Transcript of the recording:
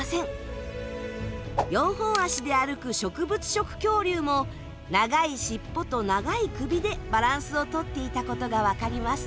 四本足で歩く植物食恐竜も長い尻尾と長い首でバランスをとっていたことがわかります。